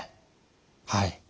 はい。